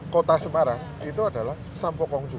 kota semarang itu adalah sampokong juga